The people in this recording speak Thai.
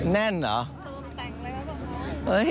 แน่นเหรอ